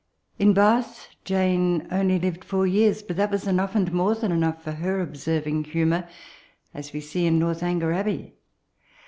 In Bath, Jane only lived four years; but that was enoogh, and more than enough, for her observing humour, as we see in NorthoHger Abbey.